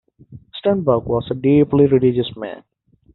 Sternberg was a deeply religious man.